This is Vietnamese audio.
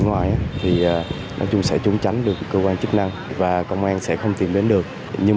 ngoài thì nói chung sẽ trốn tránh được cơ quan chức năng và công an sẽ không tìm đến được nhưng